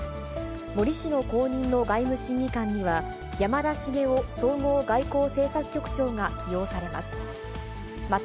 森氏の後任の外務審議官には、山田重夫総合外交政策局長が起用されます。